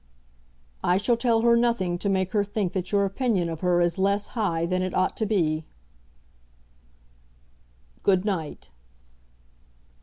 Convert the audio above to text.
"I shall tell her nothing to make her think that your opinion of her is less high than it ought to be." "Good night."